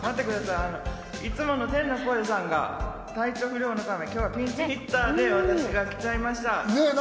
いつもの天の声さんが体調不良のため、今日はピンチヒッターで私がきちゃいました。